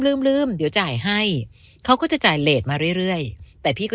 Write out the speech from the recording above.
ลืมลืมเดี๋ยวจ่ายให้เขาก็จะจ่ายเลสมาเรื่อยเรื่อยแต่พี่ก็